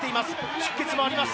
出血もあります。